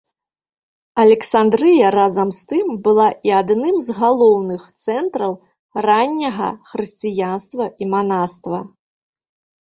Александрыя разам з тым была і адным з галоўных цэнтраў ранняга хрысціянства і манаства.